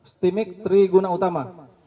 stimik tribunal utama